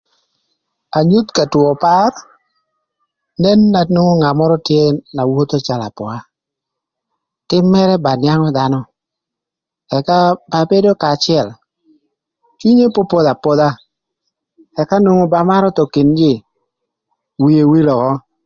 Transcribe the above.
Anyuth ka two par nen na nwongo ngat mörö tye na wotho calö apoa, tïm mërë ba nïangö dhanö, ëka ba bedo kanya acël cwinye popodha apodha, ëka nwongo ba marö thon kin jïï wie wil ökö.